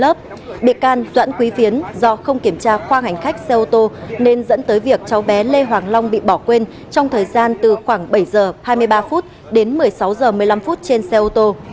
bị can doãn quý phiến do không kiểm tra khoang hành khách xe ô tô nên dẫn tới việc cháu bé lê hoàng long bị bỏ quên trong thời gian từ khoảng bảy h hai mươi ba phút đến một mươi sáu h một mươi năm phút trên xe ô tô